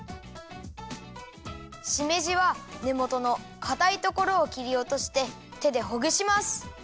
しめじはねもとのかたいところをきりおとしててでほぐします。